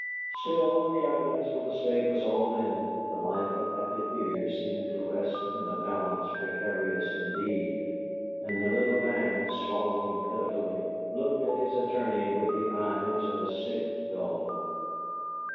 Still, when the evidence for the State was all in, the life of Happy Fear seemed to rest in a balance precarious indeed, and the little man, swallowing pitifully, looked at his attorney with the eyes of a sick dog.